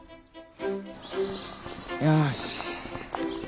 よし。